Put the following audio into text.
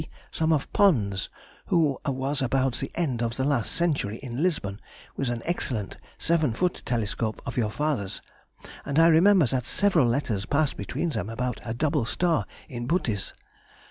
some of Pond's, who was about the end of the last century in Lisbon, with an excellent seven foot telescope of your father's, and I remember that several letters passed between them about a double star in Böotes.